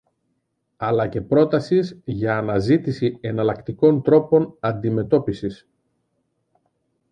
αλλά και πρότασης για αναζήτηση εναλλακτικών τρόπων αντιμετώπισης